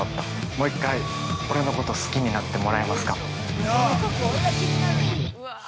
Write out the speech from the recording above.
もう一回、俺のこと好きになってもらえますか。